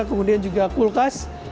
kemudian juga kulkas